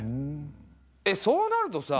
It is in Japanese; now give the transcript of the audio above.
えっそうなるとさ